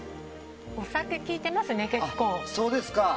お酒利いていますね、結構。